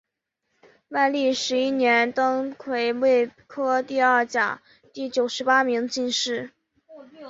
万历十一年登癸未科第三甲第九十八名进士。